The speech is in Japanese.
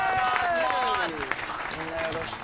みんなよろしく。